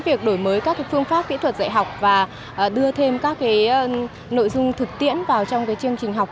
việc đổi mới các phương pháp kỹ thuật dạy học và đưa thêm các nội dung thực tiễn vào trong chương trình học